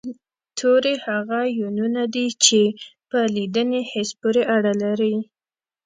توري هغه يوونونه دي چې په لیدني حس پورې اړه لري